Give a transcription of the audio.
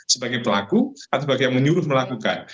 sebagai pelaku atau sebagai yang menyuruh melakukan